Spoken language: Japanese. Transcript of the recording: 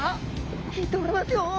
引いておりますよ！